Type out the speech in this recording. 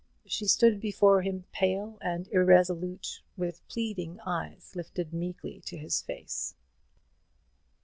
She stood before him pale and irresolute, with pleading eyes lifted meekly to his face.